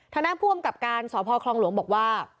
ทางด้านผู้อำกับการสพคลองหลวงบอกว่า